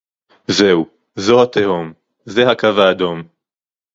זהו, זו התהום, זה הקו האדום